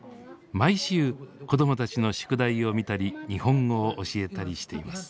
毎週子どもたちの宿題を見たり日本語を教えたりしています。